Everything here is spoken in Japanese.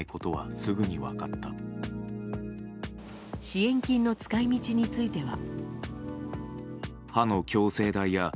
支援金の使い道については。